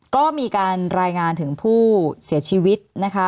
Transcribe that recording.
ก็มีการรายงานถึงผู้เสียชีวิตนะคะ